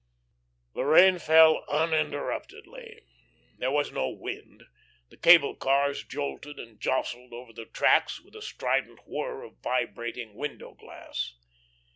The rain fell uninterruptedly. There was no wind. The cable cars jolted and jostled over the tracks with a strident whir of vibrating window glass.